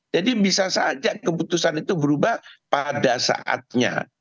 jadi bisa saja keputusan itu berubah pada saatnya